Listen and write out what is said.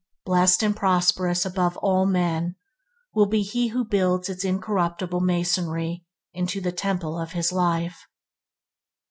Blessed and prosperous above all men will be he who builds its incorruptible masonry into the temple of his life.